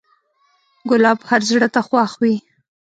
ګلاب هر زړه ته خوښ وي.